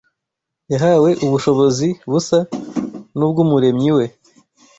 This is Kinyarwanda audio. yahawe ubushobozi busa n’ubw’Umuremyi we: